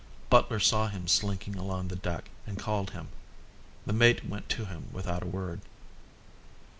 Butler saw him slinking along the deck and called him. The mate went to him without a word.